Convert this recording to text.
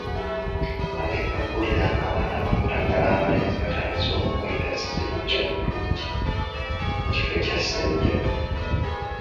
Nagenda okuwulira ng’abaana abamu naddala balenzi batandise okumuyita Ssajjaddungi mu kifo kya Ssajjabbi.